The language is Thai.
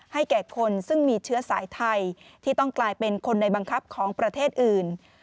แก่คนซึ่งมีเชื้อสายไทยที่ต้องกลายเป็นคนในบังคับของประเทศอื่น